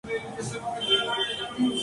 Fue responsable del show radiofónico "St.